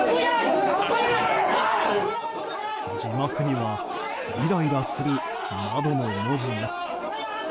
字幕には「イライラする」などの文字が。